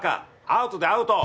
アウトだアウト！